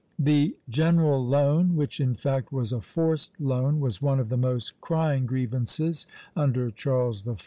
The general loan, which in fact was a forced loan, was one of the most crying grievances under Charles I.